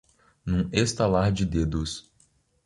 Num estalar de dedos